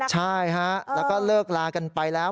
ใช่ฮะแล้วก็เลิกลากันไปแล้ว